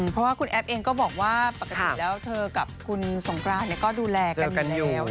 เพราะว่าคุณแอฟเองก็บอกว่าปกติแล้วเธอกับคุณสงกรานก็ดูแลกันอยู่แล้ว